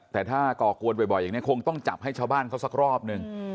แต่ถ้าก่อกวนบ่อยอย่างนี้คงต้องจับให้ชาวบ้านเขาสักรอบนึง